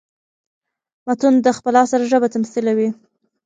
متون د خپل عصر ژبه تميثلوي.